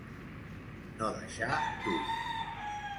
No deixar d'ull.